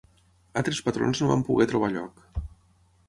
Altres patrons no van poder trobar lloc.